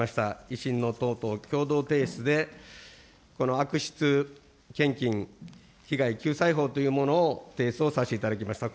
維新の党と共同提出でこの悪質献金被害救済法というものを提出をさせていただきました。